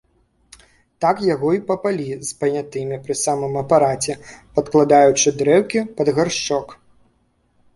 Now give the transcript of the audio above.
Так яго й папалі з панятымі пры самым апараце, падкладаючы дрэўкі пад гаршчок.